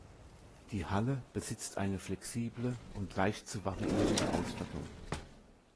Die Halle besitzt eine flexible und leicht zu variierende Ausstattung.